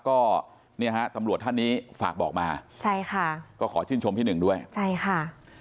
ก็เนี่ยฮะตำรวจท่านนี้ฝากบอกมาใช่ค่ะก็ขอชื่นชมพี่หนึ่งด้วยใช่ค่ะ